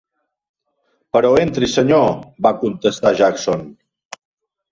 'Però entri, senyor', va contestar Jackson.